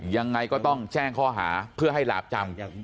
ยังไงก็ต้องแจ้งข้อหาเพื่อให้หลาบจำ